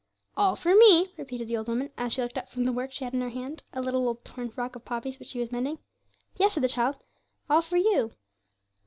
'All for me,' repeated the old woman, as she looked up from the work she had in her hand a little old torn frock of Poppy's, which she was mending. 'Yes,' said the child, 'all for you.'